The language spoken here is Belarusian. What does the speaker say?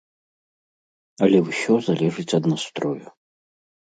Але ўсё залежыць ад настрою.